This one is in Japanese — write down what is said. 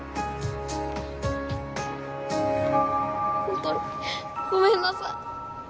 ホントにごめんなさい